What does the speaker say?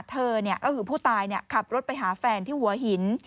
เธอเนี้ยก็คือผู้ตายเนี้ยขับรถไปหาแฟนที่หัวหิน